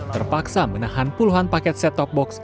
terpaksa menahan puluhan paket set top box